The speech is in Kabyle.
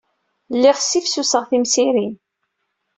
Lliɣ ssifsuseɣ timsirin.